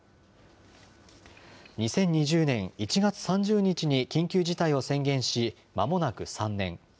２０２０年１月３０日に緊急事態を宣言し、まもなく３年。